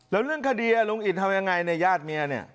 แล้วเรื่องคดีลุงอิดทำยังไงเนี่ยญาติเมียเนี่ย